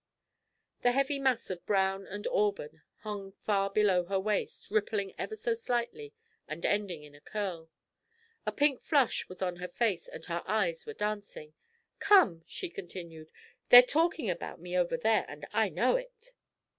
The heavy mass of brown and auburn hung far below her waist, rippling ever so slightly, and ending in a curl. A pink flush was on her face and her eyes were dancing. "Come," she continued, "they're talking about me over there, and I know it."